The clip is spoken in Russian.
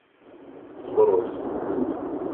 Сброс